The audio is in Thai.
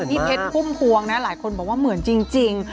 พี่เพชรพุ่มพวงนะหลายคนบอกว่าเหมือนจริง